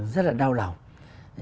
rất là đau lòng